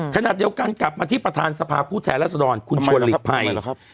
ขณะเดียวกันกลับมาที่ประธานสภาพผู้แทนรัศดรคุณชวนหลีกภัย